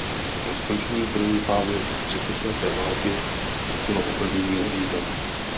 Po skončení první fáze třicetileté války ztratilo opevnění na významu.